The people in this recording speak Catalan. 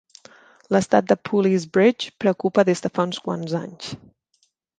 L'estat de Pooley's Bridge preocupa des de fa uns quants anys.